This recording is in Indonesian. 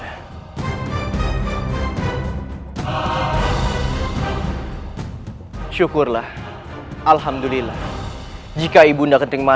kanda kebawa kupasa lima tahun itu terjadi kemurungan ke pudding